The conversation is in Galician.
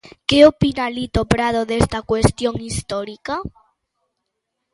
Que opina Lito Prado desta cuestión histórica?